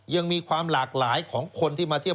ยังมีความหลากหลายของคนที่มาเที่ยว